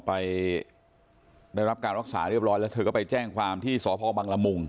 ไปได้รับการรักษาเรียบร้อยแล้วเธอก็ไปแจ้งความที่สพบังละมุง